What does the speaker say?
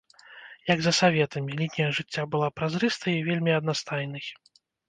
Як за саветамі, лінія жыцця была празрыстай і вельмі аднастайнай.